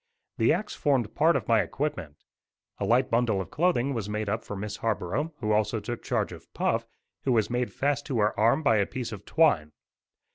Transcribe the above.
The axe formed part of my equipment. A light bundle of clothing was made up for Miss Harborough who also took charge of Puff, who was made fast to her arm by a piece of twine.